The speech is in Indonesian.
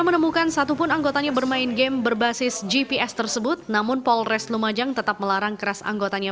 kinerja pns juga bisa menganggup generasi